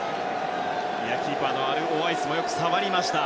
キーパーのアルオワイスもよく触りました。